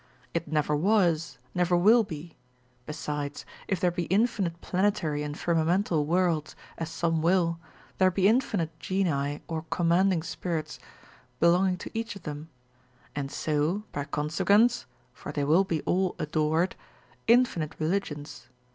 It never was, never will be Besides, if there be infinite planetary and firmamental worlds, as some will, there be infinite genii or commanding spirits belonging to each of them; and so, per consequens (for they will be all adored), infinite religions.